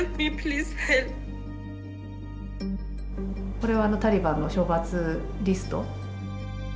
これはタリバンの処罰リスト。